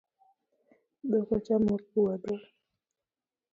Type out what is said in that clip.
Dhok ochamo puodho